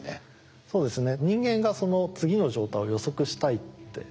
そうですね。